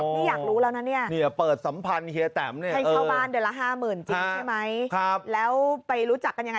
นี่อยากรู้แล้วนะเนี่ยในชาวบ้านเดือนละห้าหมื่นจิ้มใช่ไหมแล้วไปรู้จักกันยังไง